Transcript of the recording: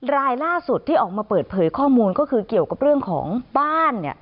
รายล่าสุดที่ออกมาเปิดเผยข้อมูลก็คือเกี่ยวกับเรื่องของบ้าน